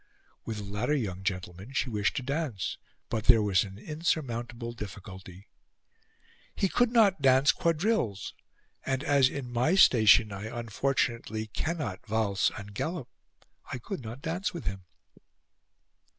With the latter young gentleman she wished to dance, but there was an insurmountable difficulty. "He could not dance quadrilles, and, as in my station I unfortunately cannot valse and gallop, I could not dance with him."